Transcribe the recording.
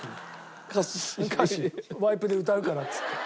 歌詞ワイプで歌うからっつって。